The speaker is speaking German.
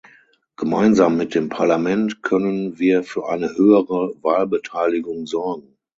Gemeinsam mit dem Parlament können wir für eine höhere Wahlbeteiligung sorgen.